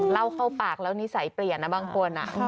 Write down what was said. เล่าเข้าปากแล้วนิสัยเปลี่ยนนะบางคน